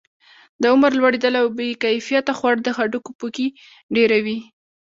د عمر لوړېدل او بې کیفیته خواړه د هډوکو پوکي ډیروي.